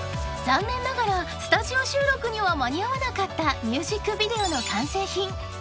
［残念ながらスタジオ収録には間に合わなかったミュージックビデオの完成品］